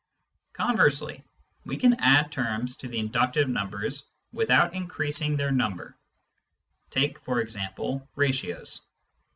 Conversely, we can add terms to the inductive numbers without increasing their number. Take, for example, ratios.